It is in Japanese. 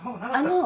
あの。